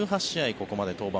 ここまで登板。